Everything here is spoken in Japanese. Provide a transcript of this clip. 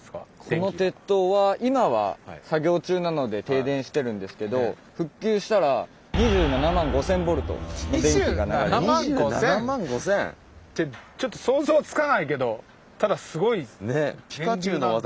この鉄塔は今は作業中なので停電してるんですけど復旧したら２７万５，０００！ってちょっと想像つかないけどただすごい。